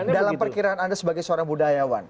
dalam perkiraan anda sebagai seorang budayawan